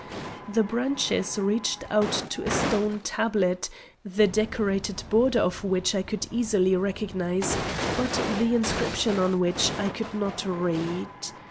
The branches reached to a stone tablet, the decorated border of which I could easily recognise, but the inscription on which I could not read.